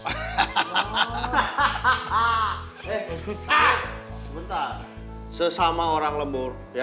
kamu sama orang lembur